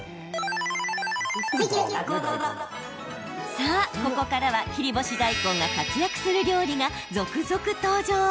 さあ、ここからは切り干し大根が活躍する料理が続々、登場。